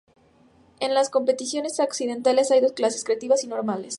En las competiciones occidentales hay dos clases: creativas y normales.